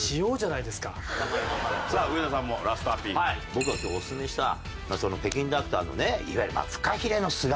僕が今日オススメした北京ダックとあのねいわゆるフカヒレの姿煮。